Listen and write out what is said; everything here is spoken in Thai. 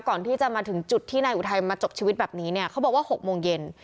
ก่อนที่จะมาถึงจุดที่นายอุทัยมาจบชีวิตแบบนี้เนี่ยเขาบอกว่า๖โมงเย็น